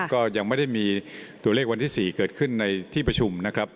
ก็ยังไม่ได้มีตัวเลขวันที่๔เกิดขึ้นในที่ประชุมนะครับ